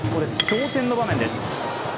同点の場面です。